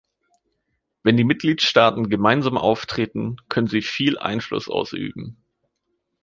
Wenn die Mitgliedstaaten gemeinsam auftreten, können sie viel Einfluss ausüben.